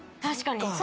確かに。